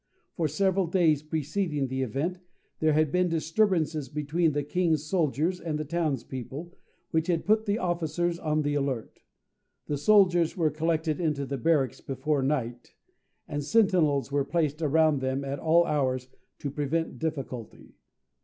For several days preceding the event, there had been disturbances between the king's soldiers and the townspeople, which had put the officers on the alert. The soldiers were collected into the barracks before night, and sentinels were placed around them at all hours to prevent difficulty.